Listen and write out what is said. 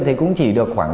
thì cũng chỉ được khoảng